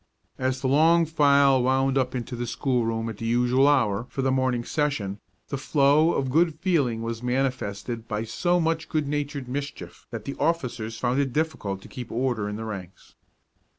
As the long file wound up into the schoolroom at the usual hour for the morning session, the flow of good feeling was manifested by so much good natured mischief that the officers found it difficult to keep order in the ranks.